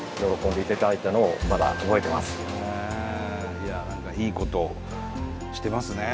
いや何かいいことをしてますね。